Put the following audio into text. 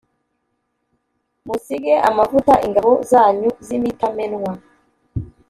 Musige amavuta ingabo zanyu z’imitamenwa.